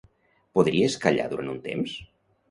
Podries callar durant un temps?